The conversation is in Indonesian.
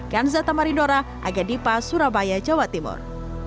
gansata marindora aga dipa surabaya jawa timur